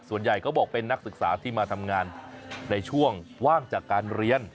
ส่วนใหญ่เขาบอกเป็นนักศึกษาที่มาทำงานในช่วงว่างจากการเรียน